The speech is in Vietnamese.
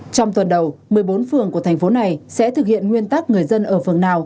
trong tuần đầu một mươi bốn phường của thành phố này sẽ thực hiện nguyên tắc người dân ở phường nào